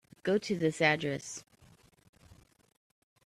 Go to this address.